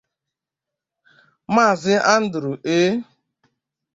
Maazị Andrew A